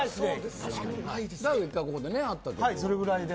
前に１回ここで会ったけど。